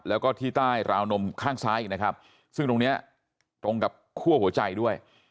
แล้วก็ที่ใต้ราวนมข้างซ้ายอีกนะครับซึ่งตรงเนี้ยตรงกับคั่วหัวใจด้วย